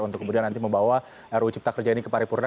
untuk kemudian nanti membawa ru cipta kerja ini ke paripurna